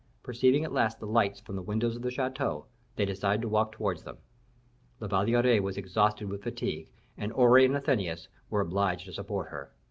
Perceiving at last the lights from the windows of the chateau, they decided to walk towards them. La Valliere was exhausted with fatigue, and Aure and Athenais were obliged to support her.